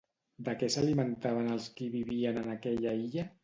De què s'alimentaven els qui vivien en aquella illa?